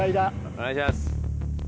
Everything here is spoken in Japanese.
お願いします。